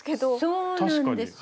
そうなんですよ。